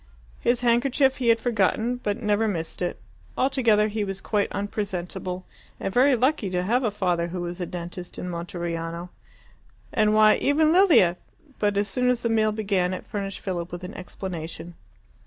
His handkerchief he had forgotten, but never missed it. Altogether, he was quite unpresentable, and very lucky to have a father who was a dentist in Monteriano. And why, even Lilia But as soon as the meal began it furnished Philip with an explanation.